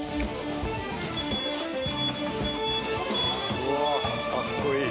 うわあかっこいい！